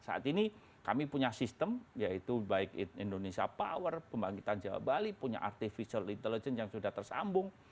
saat ini kami punya sistem yaitu baik indonesia power pembangkitan jawa bali punya artificial intelligence yang sudah tersambung